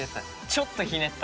ちょっとひねった。